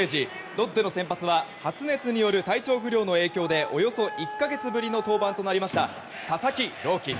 ロッテの先発は発熱による体調不良の影響でおよそ１か月ぶりの登板となった佐々木朗希。